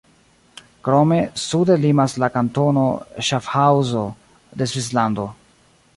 Krome sude limas la kantono Ŝafhaŭzo de Svislando.